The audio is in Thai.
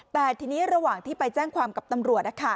แต่ทีนี้ระหว่างที่ไปแจ้งความกับตำรวจ